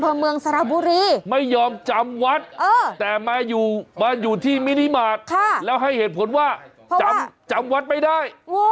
เมืองสระบุรีไม่ยอมจำวัดแต่มาอยู่มาอยู่ที่มินิมาตรแล้วให้เหตุผลว่าจำวัดไม่ได้